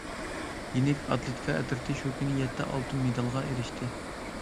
يېنىك ئاتلېتىكا ئەترىتى شۇ كۈنى يەتتە ئالتۇن مېدالغا ئېرىشتى.